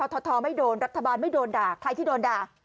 ททไม่โดนรัฐบาลไม่โดนด่าใครที่โดนด่า